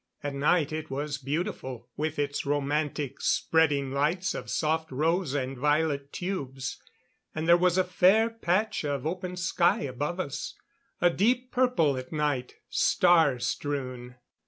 At night it was beautiful with its romantic spreading lights of soft rose and violet tubes, and there was a fair patch of open sky above us a deep purple at night, star strewn.